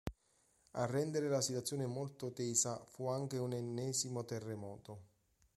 A rendere la situazione molto tesa fu anche un ennesimo terremoto.